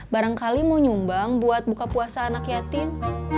barangkali mau nyumbang buat buka puasa anak yatim